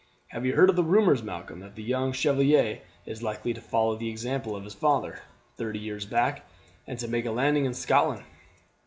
Have you heard the rumours, Malcolm, that the young Chevalier is likely to follow the example of his father, thirty years back, and to make a landing in Scotland?"